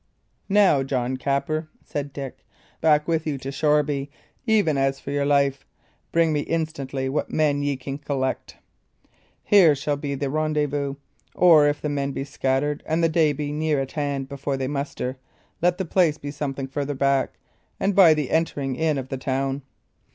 "Now, John Capper," said Dick, "back with you to Shoreby, even as for your life. Bring me instantly what men ye can collect. Here shall be the rendezvous; or if the men be scattered and the day be near at hand before they muster, let the place be something farther back, and by the entering in of the town.